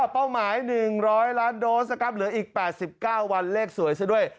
เป้าหมาย๑๐๐ล้านโดสนะครับเหลืออีก๘๙วันเลขสวยซะด้วย